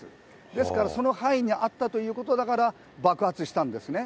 ですからその範囲にあったということだから、爆発したんですね。